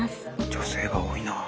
女性が多いな。